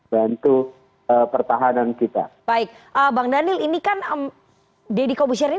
bantu pertahanan kita baik bang daniel ini kan deddy komisioner ini